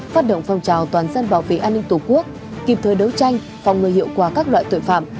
phát động phong trào toàn dân bảo vệ an ninh tổ quốc kịp thời đấu tranh phòng ngừa hiệu quả các loại tội phạm